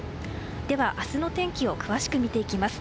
では、明日の天気を詳しく見ていきます。